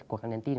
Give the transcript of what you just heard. của các đàn tin